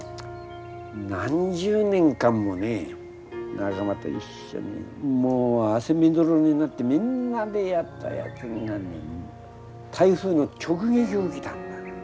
何十年間もね仲間と一緒にもう汗みどろになってみんなでやったやつが台風の直撃を受けたんだ。